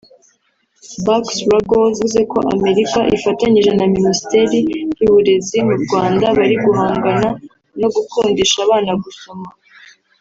Barks-Ruggles yavuze ko Amerika ifatanyije na Minisiteri y’Uburezi mu Rwanda bari guhangana no gukundisha abana gusoma